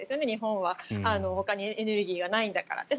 日本はほかにエネルギーがないんだから。